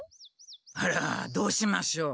あらどうしましょう。